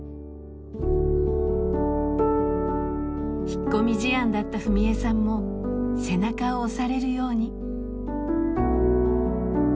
引っ込み思案だった史恵さんも背中を押されるように。